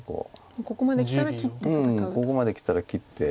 ここまできたら切って。